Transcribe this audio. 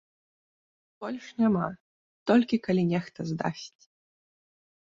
Больш няма, толькі калі нехта здасць.